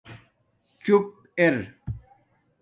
چُپ اِر